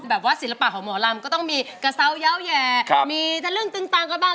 แบบว่าศิลปะของหมอลำก็ต้องมีกระเซายาวแห่มีทะลึ่งตึงตังกันบ้าง